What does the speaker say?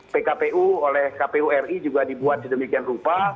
pkpu oleh kpu ri juga dibuat sedemikian rupa